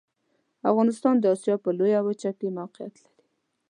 افغانستان د اسیا په لویه وچه کې موقعیت لري.